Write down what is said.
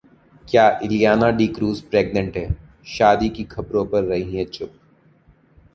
क्या इलियाना डिक्रूज प्रेग्नेंट हैं? शादी की खबरों पर रही हैं चुप